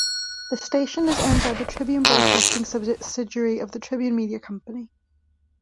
The station is owned by the Tribune Broadcasting subsidiary of the Tribune Media Company.